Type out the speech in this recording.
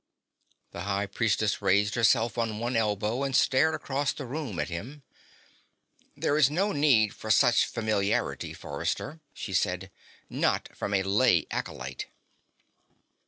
The High Priestess raised herself on one elbow and stared across the room at him. "There is no need for such familiarity, Forrester," she said. "Not from a lay acolyte."